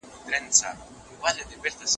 خلک ولې یو له بل سره اړیکه نیسي؟